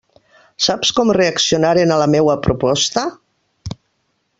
Saps com reaccionaren a la meua proposta?